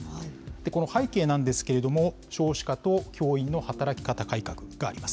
この背景なんですけれども、少子化と教員の働き方改革があります。